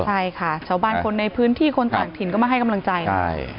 ใช่ค่ะชาวบ้านคนในพื้นที่คนต่างถิ่นก็มาให้กำลังใจใช่